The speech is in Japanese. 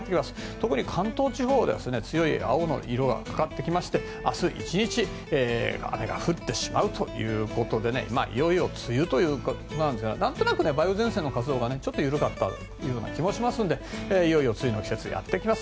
特に関東地方は強い青の色がかかってきまして、明日１日雨が降ってしまうということでいよいよ梅雨ということですがなんとなく梅雨前線の活動がちょっと緩かったような気もしますのでいよいよ梅雨の季節がやってきます。